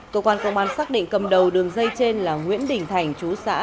cơ quan công an xác định cầm đầu đường dây trên là nguyễn đình thành chú xã